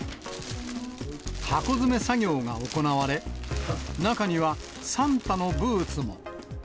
箱詰め作業が行われ、中には、サンタのブーツも。